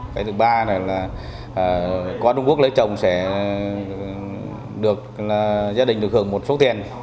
phải được ba là qua trung quốc lấy chồng sẽ được gia đình được hưởng một số tiền